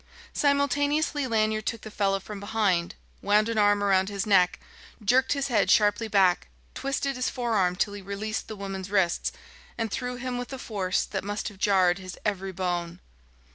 Simultaneously Lanyard took the fellow from behind, wound an arm around his neck, jerked his head sharply back, twisted his forearm till he released the woman's wrists, and threw him with a force that must have jarred his every bone.